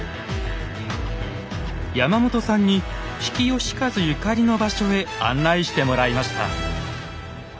山本さんに比企能員ゆかりの場所へ案内してもらいました。